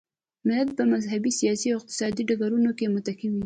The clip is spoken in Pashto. ملت په مذهبي، سیاسي او اقتصادي ډګرونو کې متکي وي.